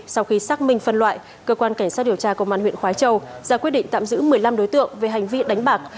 sau khi xác minh phân loại cơ quan cảnh sát điều tra công an huyện khói châu ra quyết định tạm giữ một mươi năm đối tượng về hành vi đánh bạc